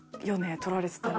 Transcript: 撮られてたらね。